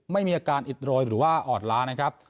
ไม่มีอาการอิดโรยหรือว่าอ่อนล้านะครับ